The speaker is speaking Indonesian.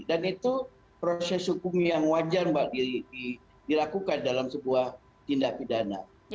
dan itu proses hukum yang wajar mbak dilakukan dalam sebuah tindak pidana